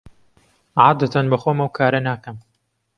عادەتەن بەخۆم ئەو کارە ناکەم.